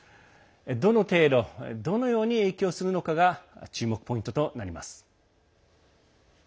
どの程度どのように影響するのかが注目ポイントとなります。